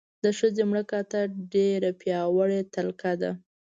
د ښځې مړه کاته ډېره پیاوړې تلکه ده.